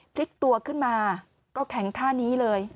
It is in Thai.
พลิกตัวขึ้นมาก็แข็งท่านี้เลย